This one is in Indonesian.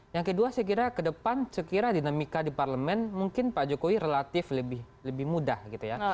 yang kedua saya kira ke depan saya kira dinamika di parlemen mungkin pak jokowi relatif lebih mudah gitu ya